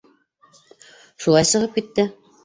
Шулай сығып китте.